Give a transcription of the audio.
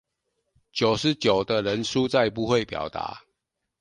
九十九的人輸在不會表達